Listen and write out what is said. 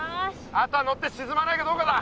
あとは乗ってしずまないかどうかだ。